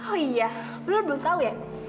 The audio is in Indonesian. oh iya lu belum tahu ya